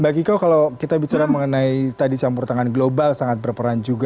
mbak kiko kalau kita bicara mengenai tadi campur tangan global sangat berperan juga